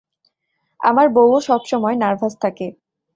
আমার বউও সবসময় নার্ভাস থাকে।